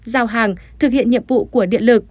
giao hàng thực hiện nhiệm vụ của điện lực